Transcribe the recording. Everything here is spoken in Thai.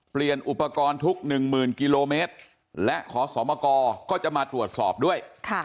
เปลี่ยนอุปกรณ์ทุก๑๐๐๐กิโลเมตรและขอสมกรก็จะมาตรวจสอบด้วย